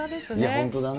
本当だね。